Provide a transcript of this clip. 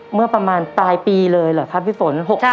เมื่อประมาณปลายปีเลยเหรอครับพี่ฝน